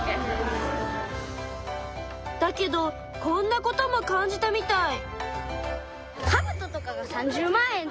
だけどこんなことも感じたみたい。